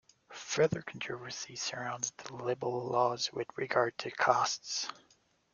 Further controversy surrounds the libel laws with regard to costs.